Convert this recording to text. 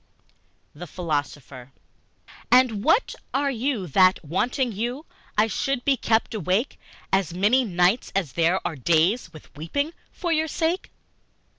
The Philosopher AND what are you that, wanting you, I should be kept awake As many nights as there are days With weeping for your sake?